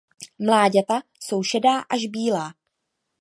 Mláďata jsou šedá až bílá.